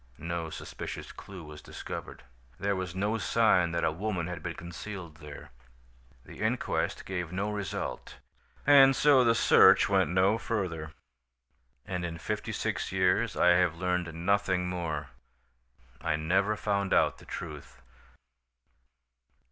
No suspicious clue was discovered. "There was no sign that a woman had been concealed there. "The inquest gave no result, and so the search went no further. "And in fifty six years I have learned nothing more. I never found out the truth."